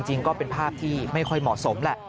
จริงก็เป็นภาพที่ไม่ค่อยเหมาะสมแหละ